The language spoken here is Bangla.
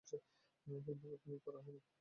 কিন্তু, লোক নিয়োগ করা হয়নি।